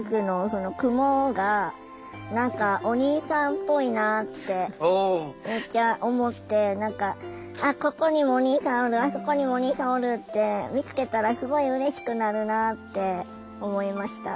その雲が何かお兄さんっぽいなってめっちゃ思ってあっここにもお兄さんおるあそこにもお兄さんおるって見つけたらすごいうれしくなるなって思いました。